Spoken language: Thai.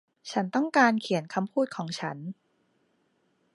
ฉันต้องการเขียนคำพูดของฉัน